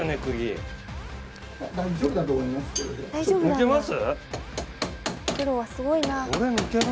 抜けます？